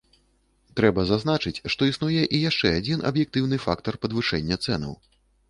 Трэба зазначыць, што існуе і яшчэ адзін аб'ектыўны фактар падвышэння цэнаў.